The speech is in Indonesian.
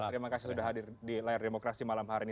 terima kasih sudah hadir di layar demokrasi malam hari ini